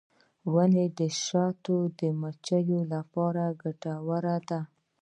• ونه د شاتو د مچیو لپاره ګټوره ده.